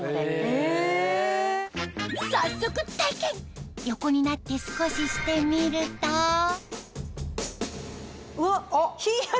早速横になって少ししてみるとうわっ。